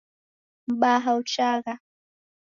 Mbaha uchagha